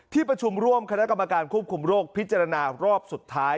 ประชุมร่วมคณะกรรมการควบคุมโรคพิจารณารอบสุดท้าย